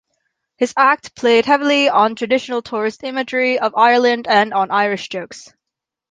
His act played heavily on traditional tourist imagery of Ireland and on Irish jokes.